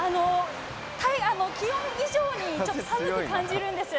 気温以上にちょっと寒く感じるんです。